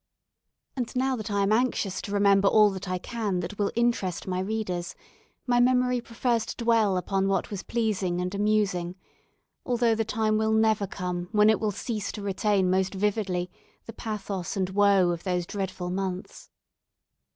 And now that I am anxious to remember all I can that will interest my readers, my memory prefers to dwell upon what was pleasing and amusing, although the time will never come when it will cease to retain most vividly the pathos and woe of those dreadful months.